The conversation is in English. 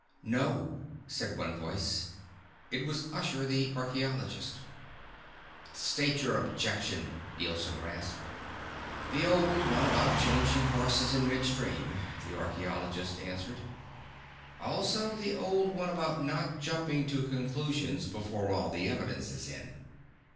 "No," said one voice. It was Usher, the archeologist. "State your objection," Nielson rasped. "The old one about changing horses in mid stream," the archeologist answered. "Also the old one about not jumping to conclusions before all the evidence is in."